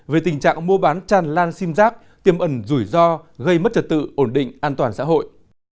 về tình trạng mua bán tràn lan sim giác tiêm ẩn rủi ro gây mất trật tự ổn định an toàn xã hội